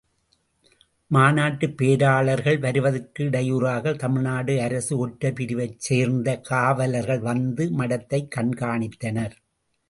மாநாட்டுப் பேராளர்கள் வருவதற்கு இடையூறாக தமிழ்நாடு அரசு ஒற்றர் பிரிவைச் சேர்ந்த காவலர்கள் வந்து மடத்தைக் கண்காணித்தனர்.